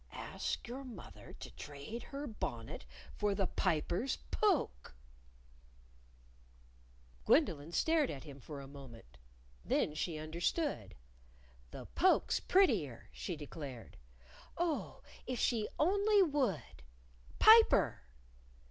"Ask your mother to trade her bonnet for the Piper's poke." Gwendolyn stared at him for a moment. Then she understood. "The poke's prettier," she declared. "Oh, if she only would! Piper!"